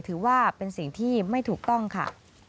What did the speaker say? ถือว่าเป็นสิ่งที่ไม่ถูกต้องค่ะ